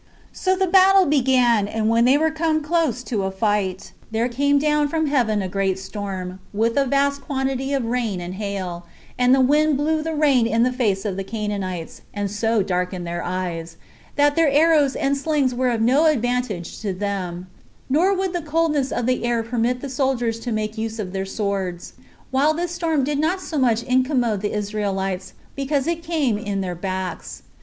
4. So the battle began; and when they were come to a close fight, there came down from heaven a great storm, with a vast quantity of rain and hail, and the wind blew the rain in the face of the Canaanites, and so darkened their eyes, that their arrows and slings were of no advantage to them, nor would the coldness of the air permit the soldiers to make use of their swords; while this storm did not so much incommode the Israelites, because it came in their backs.